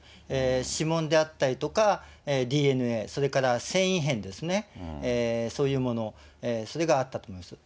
指紋であったりとか、ＤＮＡ、それから繊維片ですね、そういうもの、それがあったと思います。